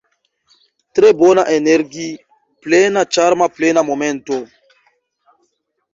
Tre bona energi-plena ĉarma plena momento